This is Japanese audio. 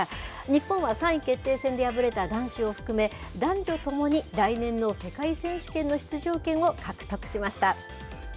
日本は３位決定戦で敗れた男子を含め、男女ともに来年の世界選手権の出場権を獲得しました。